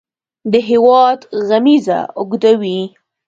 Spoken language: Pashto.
د هیواد غمیزه اوږدوي.